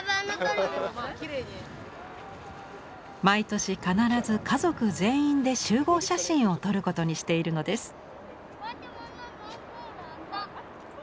毎年必ず家族全員で集合写真を撮ることにしているのです。